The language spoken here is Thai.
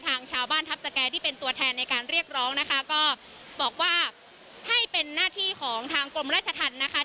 ทางชาวบ้านทัพสแก่ที่เป็นตัวแทนในการเรียกร้องนะคะก็บอกว่าให้เป็นหน้าที่ของทางกรมราชธรรมนะคะ